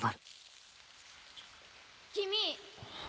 君！